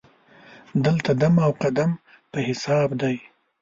دلته دم او قدم په حساب دی.